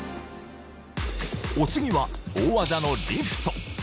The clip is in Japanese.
お次は大技のリフト。